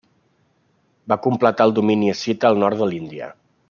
Va completar el domini escita al nord de l'Índia.